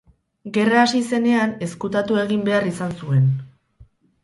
Gerra hasi zenean ezkutatu egin behar izan zuen.